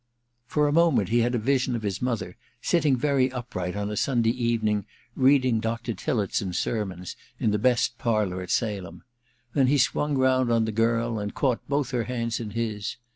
For a moment he had a vision of his mother, sitting very upright, on a Sunday evening, read ing Dr. Tillotson's sermons in the best parlour at Salem ; then he swung round on the girl and caught both her hands in his.